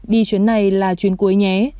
đi chuyến này là chuyến cuối nhé